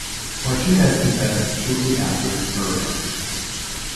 Martinez confessed shortly after her arrest.